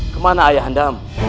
kemana ayah anda